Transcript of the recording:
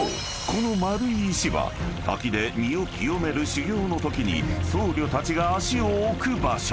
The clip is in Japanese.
この丸い石は滝で身を清める修行のときに僧侶たちが足を置く場所］